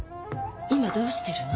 今どうしてるの？」